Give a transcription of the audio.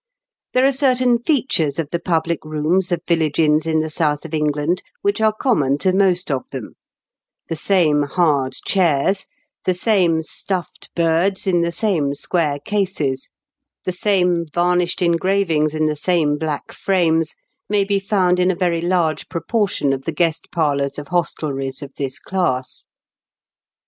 There are certain features of the public rooms of village inns in the south of England which are common to most of them ; the same hard chairs, the same stuflFed birds in the same square cases, the same varnished engravings in the same black frames, may be found in a very large proportion of the 'guest parlours of hostelries of this class.